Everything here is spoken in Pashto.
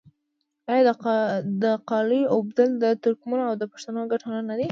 آیا د قالیو اوبدل د ترکمنو او پښتنو ګډ هنر نه دی؟